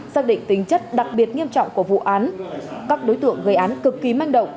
xác định tính chất đặc biệt nghiêm trọng của vụ án các đối tượng gây án cực kỳ manh động